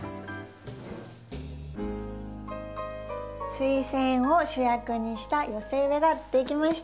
スイセンを主役にした寄せ植えが出来ました！